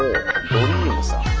ドリームさん。